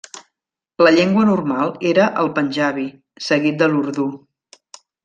La llengua normal era el panjabi, seguit de l'urdú.